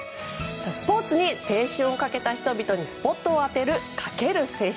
スポーツに青春をかけた人々にスポットを当てるカケル青春。